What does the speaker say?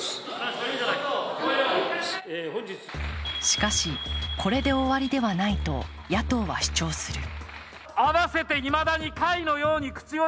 しかし、これで終わりではないと野党は主張する。